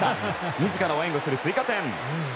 自らを援護する追加点。